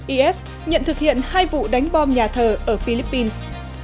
is nhận thực hiện hai vụ đánh bom nhà thờ ở philippines